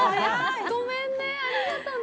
ごめんね、ありがとうね。